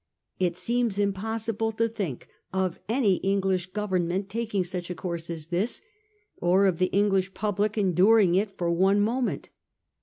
It seems impossible to think of any English Government taking such a course as this ; or of the English public enduring it for one moment.